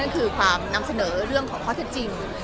คือความนำเสนอเรื่องของข้อเท็จจริง